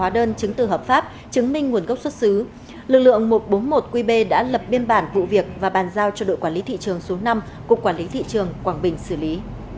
lực lượng một trăm bốn mươi một qb đã lập biên bản vụ việc và bàn giao cho đội quản lý thị trường số năm của quản lý thị trường quảng bình xử lý